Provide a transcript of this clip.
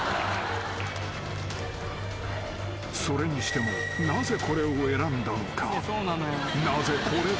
［それにしてもなぜこれを選んだのか？］